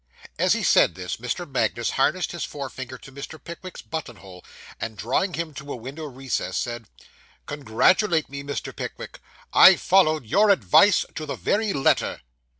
As he said this, Mr. Magnus harnessed his forefinger to Mr. Pickwick's buttonhole, and, drawing him to a window recess, said 'Congratulate me, Mr. Pickwick; I followed your advice to the very letter.